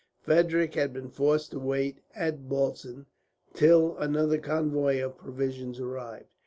Frederick had been forced to wait, at Bautzen, till another convoy of provisions arrived.